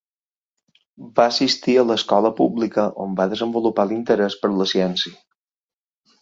Va assistir a l'escola pública, on va desenvolupar l'interès per la ciència.